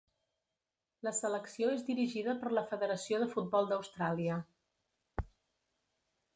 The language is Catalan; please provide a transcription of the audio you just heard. La selecció és dirigida per la Federació de Futbol d'Austràlia.